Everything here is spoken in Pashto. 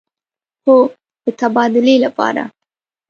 هو، د تبادلې لپاره